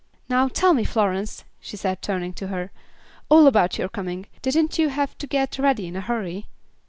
"Now, tell me, Florence," she said, turning to her, "all about your coming. Didn't you have to get ready in a hurry?"